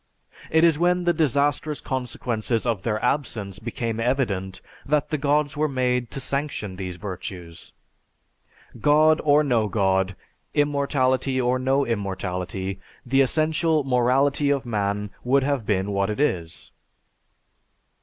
It is when the disastrous consequences of their absence became evident that the Gods were made to sanction these virtues. God or no God, immortality or no immortality, the essential morality of man would have been what it is."